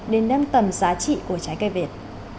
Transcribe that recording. đến năm tầm giá trị của trái cây việt